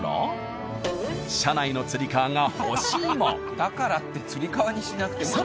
だからって吊り革にしなくてもね。